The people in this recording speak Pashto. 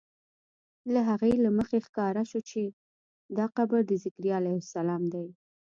له هغې له مخې ښکاره شوه چې دا قبر د ذکریا علیه السلام دی.